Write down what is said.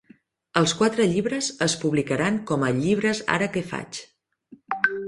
Els quatre llibres es publicaren com a "Llibres Ara que faig".